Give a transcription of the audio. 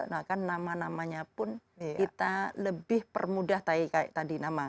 nah kan nama namanya pun kita lebih permudah tadi nama